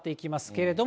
けれど